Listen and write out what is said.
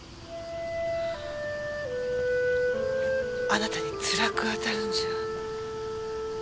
あなたにつらく当たるんじゃ。